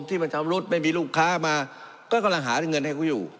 ที่มันชำรุดไม่มีลูกค้ามาก็กำลังหาเงินให้เขาอยู่